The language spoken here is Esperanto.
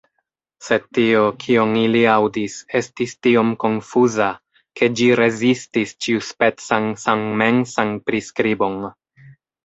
Sed tio, kion ili aŭdis, estis tiom konfuza, ke ĝi rezistis ĉiuspecan sanmensan priskribon.